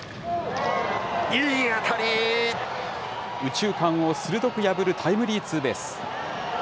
右中間を鋭く破るタイムリーツーベース。